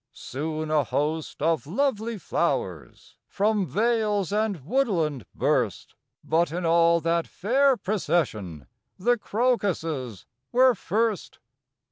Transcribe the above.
Soon a host of lovely flowers From vales and woodland burst; But in all that fair procession The crocuses were first.